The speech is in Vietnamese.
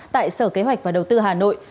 tại sở kế hoạch và đầu tư hà nội